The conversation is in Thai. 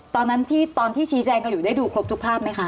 ตอนที่ชีแจงกันอยู่ได้ดูครบทุกภาพไหมคะ